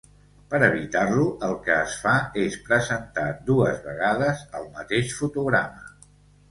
Per evitar-lo, el que es fa és presentar dues vegades el mateix fotograma.